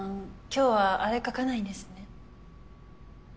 今日はあれ描かないんですね。